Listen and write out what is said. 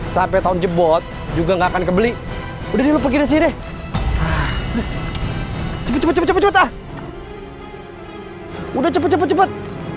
sapa tahun jebot juga nggak akan kebeli udah lupa gini sih deh cepet cepet ah udah cepet cepet